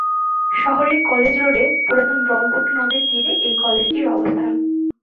শহরের কলেজ রোডে পুরাতন ব্রহ্মপুত্র নদের তীরে এই কলেজটির অবস্থান।